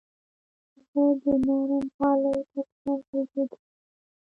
زه د نرم غالۍ پر سر ګرځېدل خوښوم.